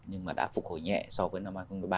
nhưng mà đã phục hồi nhẹ so với năm hai nghìn một mươi ba